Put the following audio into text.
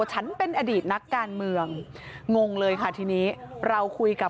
หน่อยคุยกันค่ะ